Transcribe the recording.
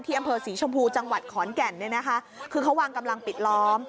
ที่อำเภอสีชมพูจังหวัดขอนแก่นคือเขาวางกำลังปิดล้อม